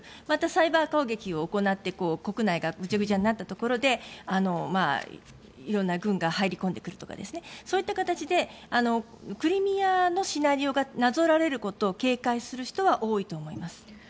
またサイバー攻撃を行って国内がぐちゃぐちゃになったところで色んな軍が入り込んでくるとかそういった形でクリミアのシナリオがなぞらえることを警戒する人は多いと思います。